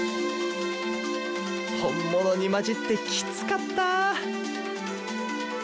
本物に交じってキツかった！